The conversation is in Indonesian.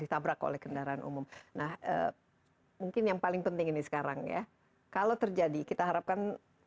ditabrak oleh kendaraan umum nah mungkin yang paling penting ini sekarang ya kalau terjadi kita harapkan